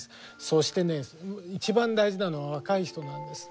そしてね一番大事なのは若い人なんです。